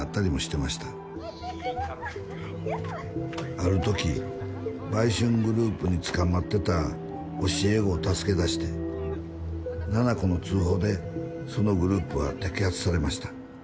ある時売春グループに捕まってた教え子を助け出して七菜子の通報でそのグループは摘発されました。